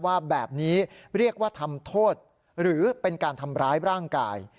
ว่าแบบนี้เรียกว่าทำโทษหรือเป็นการทำร้ายร่างกาย